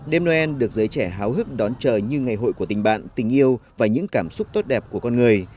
đêm noel được giới trẻ háo hức đón chờ như ngày hội của tình bạn tình yêu và những cảm xúc tốt đẹp của con người